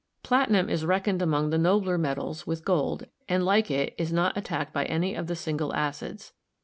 Platinum is reckoned among the nobler metals with gold, and like it is not attacked by any of the single acids.